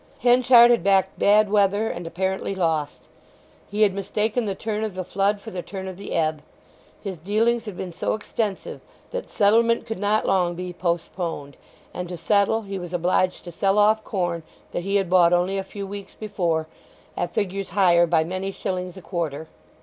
Henchard had backed bad weather, and apparently lost. He had mistaken the turn of the flood for the turn of the ebb. His dealings had been so extensive that settlement could not long be postponed, and to settle he was obliged to sell off corn that he had bought only a few weeks before at figures higher by many shillings a quarter.